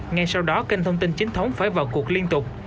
ngay sau đó kênh thông tin chính thống phải vào cuộc liên tục